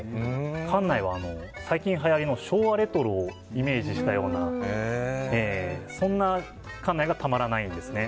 館内は最近はやりの昭和レトロをイメージしたようなそんな館内がたまらないんです。